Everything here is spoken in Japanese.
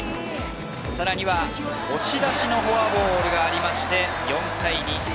さらに押し出しのフォアボールがあって４対２。